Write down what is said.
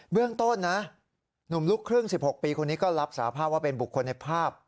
เรื่องต้นนะหนุ่มลูกครึ่ง๑๖ปีคนนี้ก็รับสาภาพว่าเป็นบุคคลในภาพ